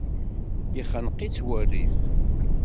Yexneq-itt wurrif.